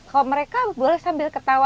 kalau mereka boleh sambil ketawa